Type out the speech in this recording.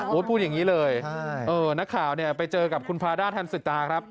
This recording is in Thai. พูดพูดอย่างนี้เลยนักข่าวไปเจอกับคุณพระอาทิตย์ทันสิตาครับ